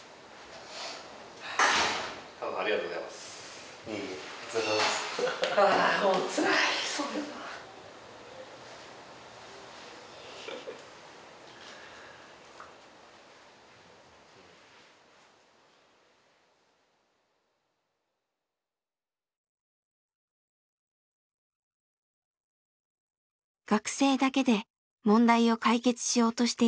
学生だけで問題を解決しようとしていたマユミ。